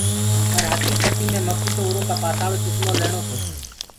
پر هڪيڪتي مي مڪوُ تو اُرو ڪآ پآسآݪو ڪسمو ليڻتو۔